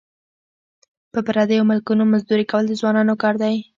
په پردیو ملکونو مزدوري کول د ځوانانو کار دی.